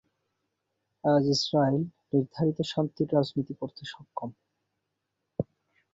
আজ ইসরাইল নির্ধারিত শান্তির রাজনীতি করতে সক্ষম।